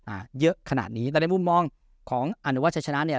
อ่าเยอะขนาดนี้แต่ในมุมมองของอนุวัชชัยชนะเนี่ย